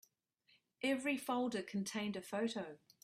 Every folder contained a photo.